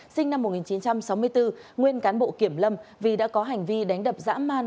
sinh năm một nghìn chín trăm sáu mươi bốn nguyên cán bộ kiểm lâm vì đã có hành vi đánh đập dã man